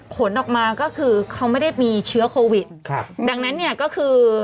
ผลออกมาก็คือเขาไม่ได้มีเชื้อโควิดครับดังนั้นเนี่ยก็คือ